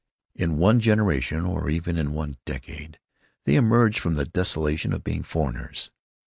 In one generation or even in one decade they emerge from the desolation of being foreigners.